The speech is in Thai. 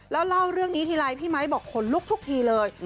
แล้วเล่าเรื่องนี้ทีไรพี่ไมค์บอกขนลุกทุกทีเลย